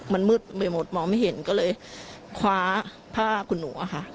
มันมืดไปหมดมองไม่เห็นก็เลยคว้าผ้าคุณหนูอะค่ะ